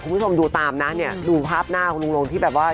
คุณผู้ชมดูตามนะเนี่ยดูภาพหน้าคุณลุงลงที่แบบว่า